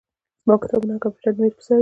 زما کتابونه او کمپیوټر د میز په سر دي.